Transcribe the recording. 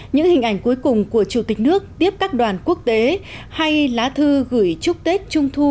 những hình ảnh cuối cùng của chủ tịch nước tiếp các đoàn quốc tế hay lá thư gửi chúc tết trung thu